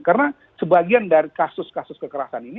karena sebagian dari kasus kasus kekerasan ini